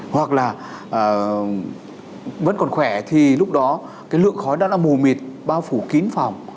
hoặc là vẫn còn khỏe thì lúc đó cái lượng khói đó là mù mịt bao phủ kín phòng